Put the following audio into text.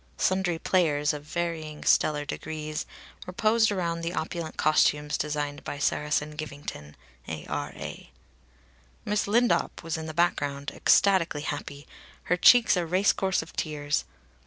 Sundry players, of varying stellar degrees, were posed around in the opulent costumes designed by Saracen Givington, A.R.A. Miss Lindop was in the background, ecstatically happy, her cheeks a race course of tears.